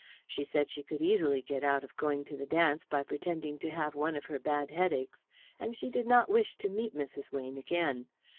She said she could easily get out of going to the dance by pretending to have one of her bad headaches, and she did not wish to meet Mrs. Weyne again.